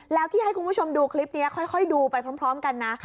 แล้วที่ให้คุณผู้ชมดูคลิปนี้ค่อยดูไปพร้อมกันนะ